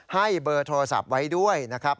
ให้เบอร์โทรศัพท์ไว้ด้วยนะครับ